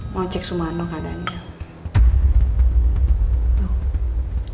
mau cek sumarno keadaannya